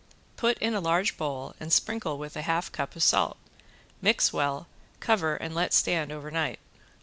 Put in a large bowl and sprinkle with a half cup of salt, mix well, cover and let stand over night.